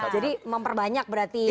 jadi memperbanyak berarti harus